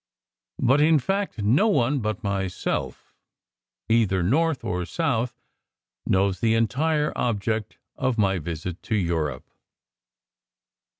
But in fact no one but myself, either North or South, knows the entire object of my visit to Europe."